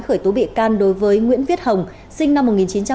khởi tố bị can đối với nguyễn viết hồng sinh năm một nghìn chín trăm bảy mươi ba